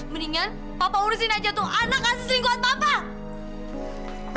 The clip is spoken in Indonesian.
mendingan papa urusin aja tuh anak asli seingkot papa